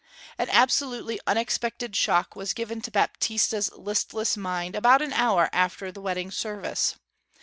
An absolutely unexpected shock was given to Baptista's listless mind about an hour after the wedding service.